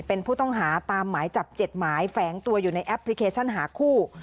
เป็นผู้ต้องหาตามหมายจับ๗หมายแฝงตัวอยู่ในแอปพลิเคชันหาคู่